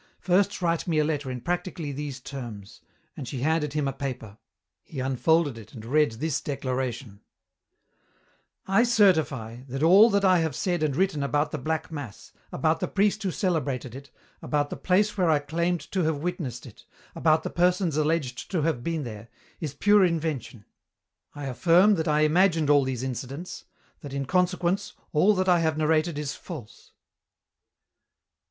First write me a letter in practically these terms," and she handed him a paper. He unfolded it and read this declaration: "I certify that all that I have said and written about the Black Mass, about the priest who celebrated it, about the place where I claimed to have witnessed it, about the persons alleged to have been there, is pure invention. I affirm that I imagined all these incidents, that, in consequence, all that I have narrated is false."